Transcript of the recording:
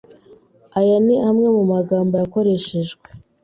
Aya ni amwe mu magambo yakoreshejwe